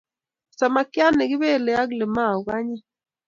Samakchat ne kipelei ak limau ko anyiny